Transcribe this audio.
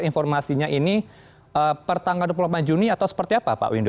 informasinya ini pertanggal dua puluh delapan juni atau seperti apa pak windu